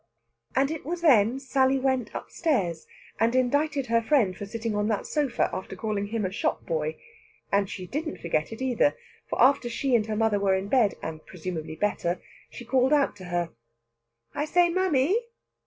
And it was then Sally went upstairs and indited her friend for sitting on that sofa after calling him a shop boy. And she didn't forget it, either, for after she and her mother were in bed, and presumably better, she called out to her. "I say, mammy!"